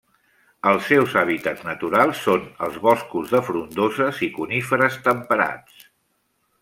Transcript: Els seus hàbitats naturals són els boscos de frondoses i coníferes temperats.